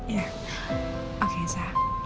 ya oke sah